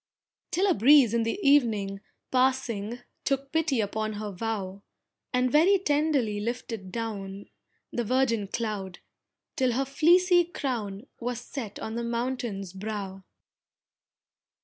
Till a breeze in the evening passing Took pity upon her vow, And very tenderly lifted down The virgin Cloud, till her fleecy crown Was set on the Mountain's brow.